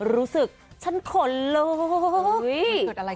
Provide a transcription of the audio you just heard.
รู้สึกฉันขนลุก